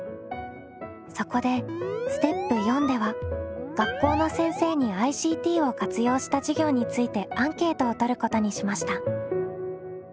そこでステップ４では学校の先生にＩＣＴを活用した授業についてアンケートをとることにしました。